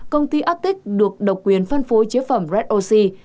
công ty atic được độc quyền phân phối chế phẩm red oxy